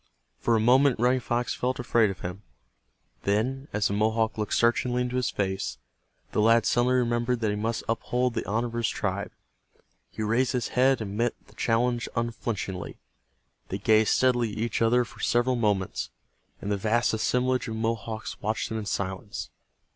For a moment Running Fox felt afraid of him. Then, as the Mohawk looked searchingly into his face, the lad suddenly remembered that he must uphold the honor of his tribe. He raised his head and met the challenge unflinchingly. They gazed steadily at each other for several moments, and the vast assemblage of Mohawks watched them in silence.